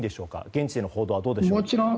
現地での報道はどうでしょうか。